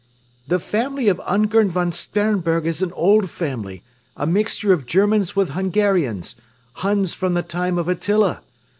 "The family of Ungern von Sternberg is an old family, a mixture of Germans with Hungarians Huns from the time of Attila.